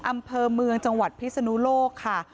อำเภอเมืองจังหวัดพิศนุโลกค่ะ